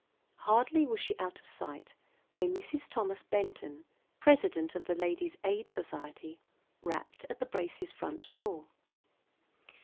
Hardly was she out of sight when Mrs. Thomas Benton, president of the Ladies' Aid Society, rapped at the Braces' front door.